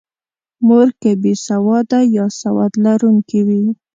مور که بې سواده یا سواد لرونکې وي.